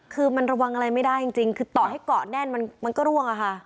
คือมันระวังอะไรไม่ได้จริงคือต่อให้เกาะแน่นมันก็ร่วงอะค่ะ